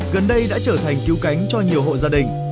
gần đây đã trở thành cứu cánh cho nhiều hộ gia đình